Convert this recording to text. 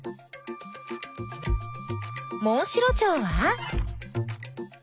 モンシロチョウは？